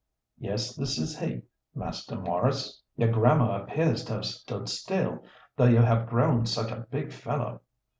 "Yes, this is he, Master Maurice. Your grammar appears to have stood still, though you have grown such a big fellow.